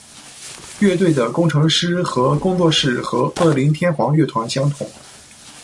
乐队的工程师和工作室和恶灵天皇乐团相同。